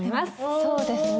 そうですね